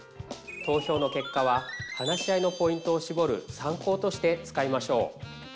投票の結果は話し合いのポイントをしぼる参考として使いましょう。